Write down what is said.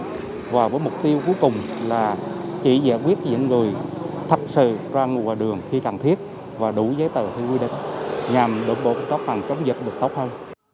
của mục tiêu cuối cùng là chỉ giải quyết những người thật sự ra ngoài đường khi cần thiết và đủ giấy tờ thư quy định nhằm đổ bộ cấp hành chống dịch được tốt hơn